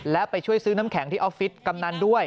และไปช่วยซื้อน้ำแข็งที่ออฟฟิศกำนันด้วย